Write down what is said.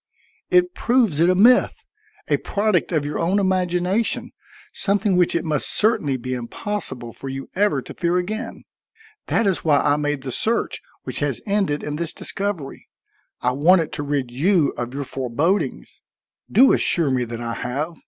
It proves it a myth, a product of your own imagination, something which it must certainly be impossible for you ever to fear again. That is why I made the search which has ended in this discovery. I wanted to rid you of your forebodings. Do assure me that I have.